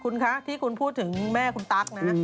คุณคะที่คุณพูดถึงแม่คุณตั๊กนะ